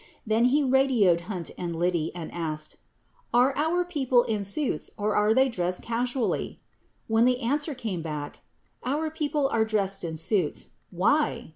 Then he radioed Hunt and Liddy and asked "are our people in suits or are they dressed casually ?" When the answer came back, "Our people are dressed in suits. Why